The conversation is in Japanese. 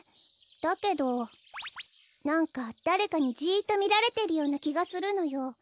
だけどなんかだれかにジッとみられてるようなきがするのよ。